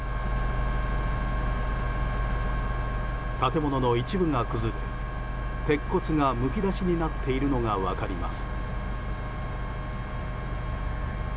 建物の一部が崩れ鉄骨がむき出しになっているのが分かります。